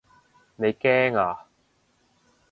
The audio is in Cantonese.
你驚啊？